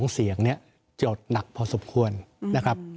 ๒เสียงเนี่ยโจทย์หนักพอสมควรนะครับ